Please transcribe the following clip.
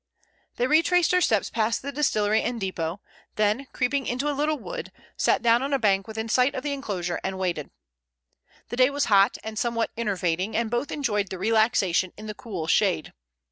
They retraced their steps past the distillery and depot, then creeping into a little wood, sat down on a bank within sight of the enclosure and waited. The day was hot and somewhat enervating, and both enjoyed the relaxation in the cool shade.